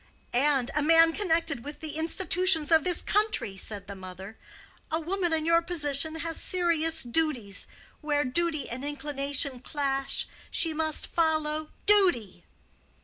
"And a man connected with the institutions of this country," said the mother. "A woman in your position has serious duties. Where duty and inclination clash, she must follow duty."